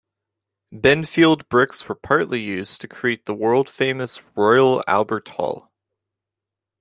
Binfield bricks were partly used to create the world-famous Royal Albert Hall.